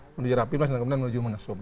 menuju rapimus dan kemudian menuju munaslup